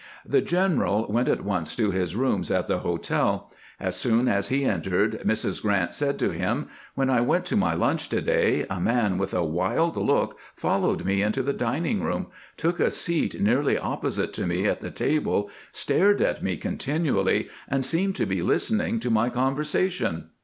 The general went at once to his rooms at the hotel. As soon as he entered Mrs. Grrant said to him :" When I went to my lunch to day, a man with a wild look fol lowed me into the dining room, took a seat nearly oppo site to me at the table, stared at me continually, and seemed to be listening to my conversation."